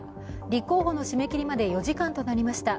立候補の締め切りまで４時間となりました